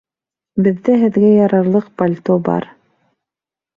Беҙҙә һеҙгә ярарлыҡ пальто бар.